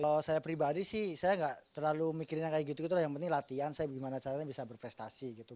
kalau saya pribadi sih saya nggak terlalu mikirinnya kayak gitu gitu lah yang penting latihan saya gimana caranya bisa berprestasi gitu